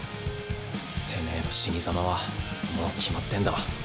てめぇの死に様はもう決まってんだ。